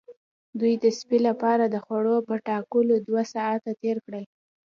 دوی د سپي لپاره د خوړو په ټاکلو دوه ساعته تیر کړل